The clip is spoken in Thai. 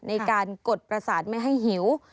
ในการกดประสานไม่ให้หิว